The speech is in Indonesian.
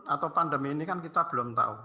atau pandemi ini kan kita belum tahu